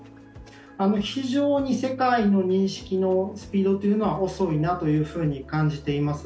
非常に世界の認識のスピードというのが遅いなと感じています。